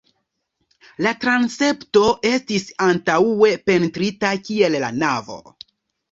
La transepto estis antaŭe pentrita kiel la navo.